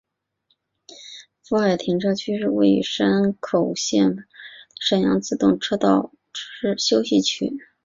富海停车区是位于山口县防府市的山阳自动车道之休息区。